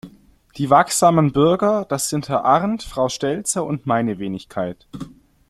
Die wachsamen Bürger, das sind Herr Arndt, Frau Stelzer und meine Wenigkeit.